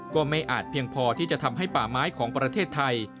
ก็ไม่อาจเพียงพอที่จะทำให้ป่าไม้ของประเทศไทย